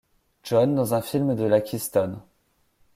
John dans un film de la Keystone.